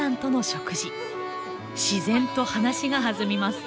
自然と話が弾みます。